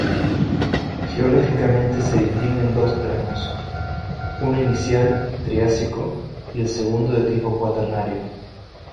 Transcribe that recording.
Geológicamente se distinguen dos tramos: uno inicial, triásico, y el segundo de tipo cuaternario.